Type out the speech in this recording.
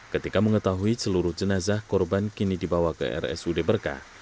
ketika mengetahui seluruh jenazah korban kini dibawa ke rsud berkah